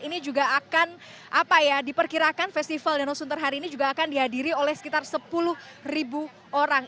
ini juga akan diperkirakan festival danau sunter hari ini juga akan dihadiri oleh sekitar sepuluh ribu orang